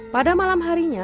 pada malam harinya